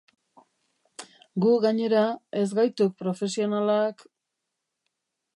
Gu, gainera, ez gaituk profesionalak...